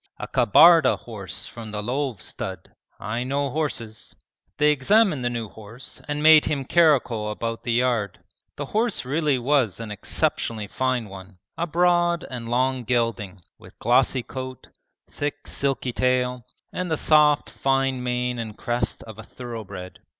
A Kabarda horse from the Lov stud. I know horses.' They examined the new horse and made him caracole about the yard. The horse really was an exceptionally fine one, a broad and long gelding, with glossy coat, thick silky tail, and the soft fine mane and crest of a thoroughbred.